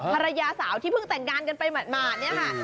ภรรยาสาวที่เพิ่งแต่งงานกันไปหมาดเนี่ยค่ะ